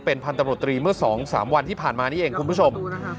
เป็นพันธบรตรีเมื่อ๒๓วันที่ผ่านมานี่เองคุณผู้ชม